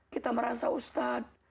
kita merasa ustaz